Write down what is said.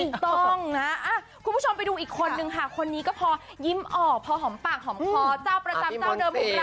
ถูกต้องนะคุณผู้ชมไปดูอีกคนนึงค่ะคนนี้ก็พอยิ้มออกพอหอมปากหอมคอเจ้าประจำเจ้าเดิมของเรา